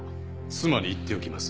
妻に言っておきます。